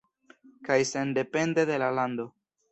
Kaj sendepende de la lando.